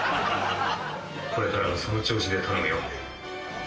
これからはその調子で頼むよ。